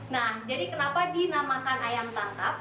nah jadi kenapa dinamakan ayam tangkap